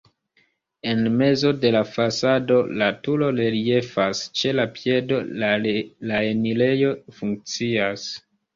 En mezo de la fasado la turo reliefas, ĉe la piedo la enirejo funkcias.